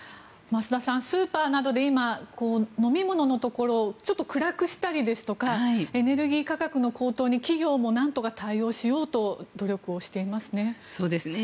増田さん、スーパーなどで今、飲み物のところをちょっと暗くしたりですとかエネルギー価格の高騰に企業もなんとか対応しようと努力をしていますね。